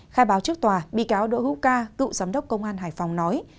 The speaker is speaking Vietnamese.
khai báo trước tòa bị cáo đỗ hữu ca cựu giám đốc công an hải phòng nói